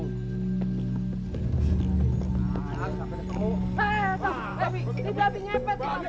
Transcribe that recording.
tuh babi ini babi nyepet